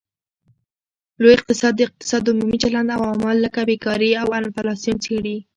لوی اقتصاد د اقتصاد عمومي چلند او عوامل لکه بیکاري او انفلاسیون څیړي